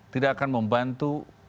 tidak akan membantu